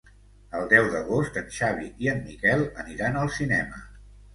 El deu d'agost en Xavi i en Miquel aniran al cinema.